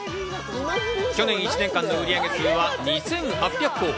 去年１年間の売上数は２８００個。